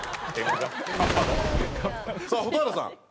さあ蛍原さん。